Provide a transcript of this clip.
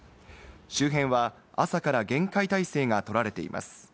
周辺は朝から厳戒態勢がとられています。